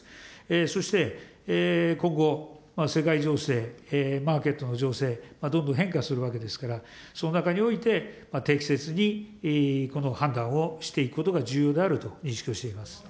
そして、今後、世界情勢、マーケットの情勢、どんどん変化するわけですから、その中において、適切にこの判断をしていくことが重要であると認識しております。